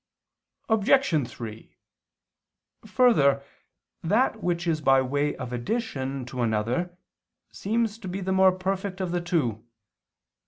Obj. 3: Further, that which is by way of addition to another seems to be the more perfect of the two.